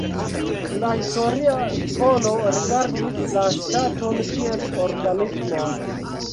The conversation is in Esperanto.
La historia skolo rigardis la ŝtaton kiel organismon.